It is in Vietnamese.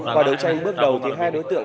qua đấu tranh bước đầu thì hai đối tượng